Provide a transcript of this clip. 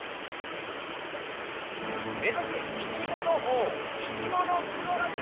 目ざせいきもの王「いきものスゴロク」！